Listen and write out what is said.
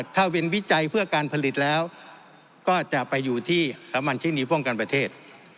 ถ้าเป็นวิจัยเพื่อการผลิตแล้วก็จะไปอยู่ที่สามัญชินีป้องกันประเทศ